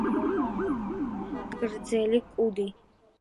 გააჩნიათ ძალზე გრძელი კუდი.